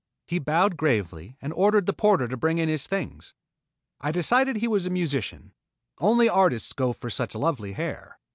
He bowed gravely and ordered the porter to bring in his things. I decided he was a musician. Only artists go in for such lovely hair.